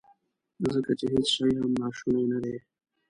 ځکه چې هیڅ شی هم ناشونی ندی.